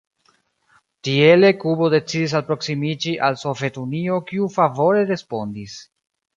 Tiele Kubo decidis alproksimiĝi al Sovetunio kiu favore respondis.